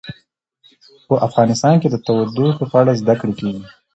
په افغانستان کې د تودوخه په اړه زده کړه کېږي.